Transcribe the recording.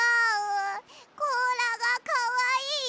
こうらがかわいいだよ！